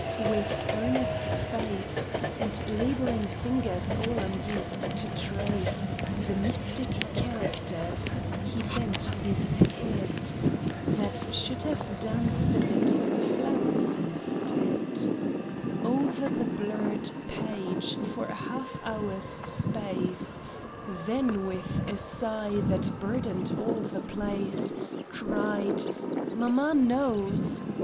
With earnest face, And laboring fingers all unused to trace The mystic characters, he bent his head (That should have danced amid the flowers instead) Over the blurred page for a half hour's space ; Then with a sigh that burdened all the place Cried, '' Mamma knows